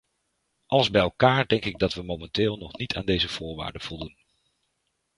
Alles bij elkaar denk ik dat we momenteel nog niet aan deze voorwaarden voldoen.